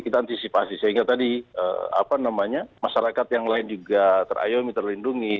kita antisipasi sehingga tadi apa namanya masyarakat yang lain juga terayomi terlindungi